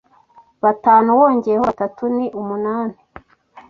Batanu wongeyeho batatu ni umunani.